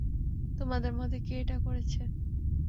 তোমাদের মধ্যে কে এটা করেছে?